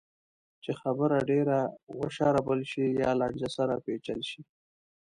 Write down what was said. چې خبره ډېره وشاربل شي یا لانجه سره پېچل شي.